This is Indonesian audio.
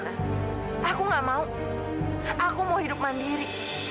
aku gak mau aku mau hidup mandiri